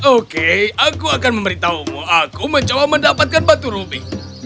oke aku akan memberitahumu aku mencoba mendapatkan batu rubi